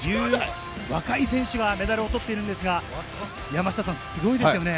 若い選手がメダルを取っているんですが、山下さん、すごいですよね。